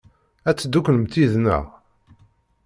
Ad tedduklemt yid-neɣ?